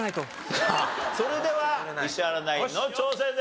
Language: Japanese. さあそれでは石原ナインの挑戦です。